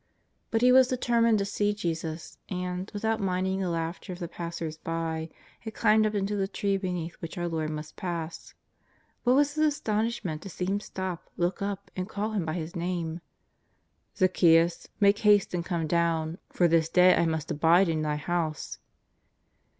But he was determined to see Jesus, and, without minding the laughter of the passers by, had climbed up into the tree beneath w^hich the Lord must pass. What was his astonishment to see Him stop, look up, and call him by his name: " Zaccheus, make haste and come down, for this day I must abide in thy house.''